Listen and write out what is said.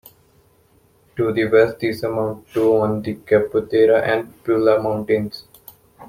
To the west these amount to on the Capoterra and Pula mountains.